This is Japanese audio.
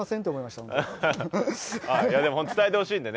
でも本当伝えてほしいんでね